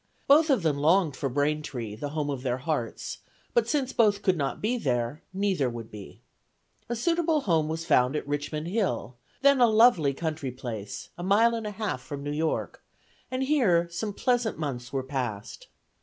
Both of them longed for Braintree, the home of their hearts, but since both could not be there, neither would be. A suitable home was found at Richmond Hill, then a lovely country place, a mile and a half from New York, and here some pleasant months were passed.